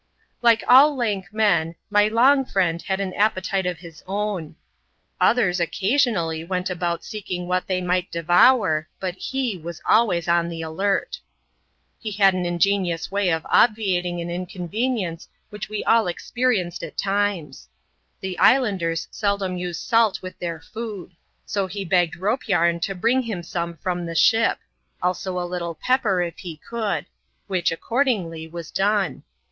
Like all lank men, my long friend had an appetite of his own. Others occasionally went about seeking what they might devour, but he was always on the alert. He had an ingenious way of obviating an inconvenience Ts^hich we all experienced at times. The islanders seldom use §^t with their food ; so he begged Rope Yarn to bring him some from the ship ; also a little pepper, if he could ; which, accordingly, was done.